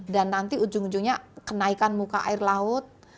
dan nanti ujung ujungnya kenaikan muka air laut